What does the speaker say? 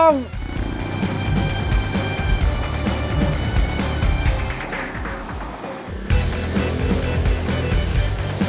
kang darman bakal nyari kita gak